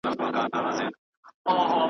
په پردیو وزرونو ځي اسمان ته .